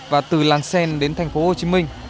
và từ làng xen đến tp hcm